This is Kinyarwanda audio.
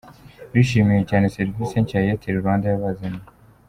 Bishimiye cyane serivisi nshya Airtel Rwanda yabazaniye.